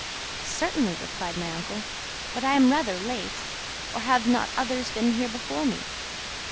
"Certainly," replied my uncle; "but I am rather late; or have not others been here before me?"